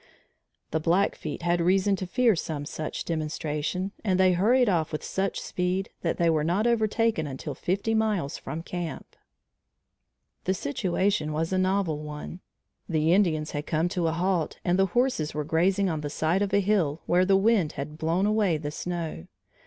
The Blackfeet had reason to fear some such demonstration, and they hurried off with such speed that they were not overtaken until fifty miles from camp. The situation was a novel one. The Indians had come to a halt and the horses were grazing on the side of a hill where the wind had blown away the snow.